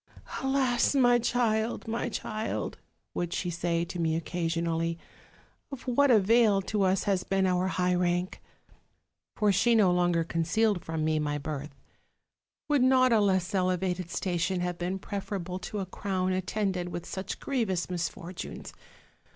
'Alas, my child, my child!' would she say to me occasion ally, 'of what avail to us has been our high rank?' for she no longer concealed from me my birth 'would not a less elevated station have been preferable to a crown at tended with such grievous misfortunes?